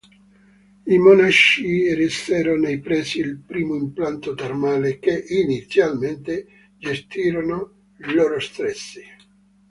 I monaci eressero nei pressi il primo impianto termale, che inizialmente gestirono loro stessi.